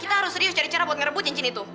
kita harus serius cari cara buat ngerebut cincin itu